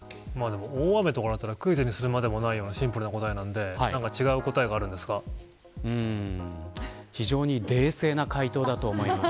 大雨であればクイズにするまでもないようなシンプルな答えなんで非常に冷静な回答だと思います。